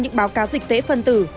những báo cáo dịch tễ phân tử